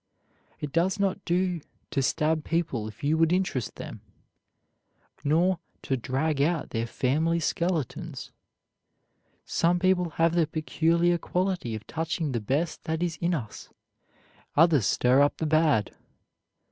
It does not do to stab people if you would interest them, nor to drag out their family skeletons. Some people have the peculiar quality of touching the best that is in us; others stir up the bad.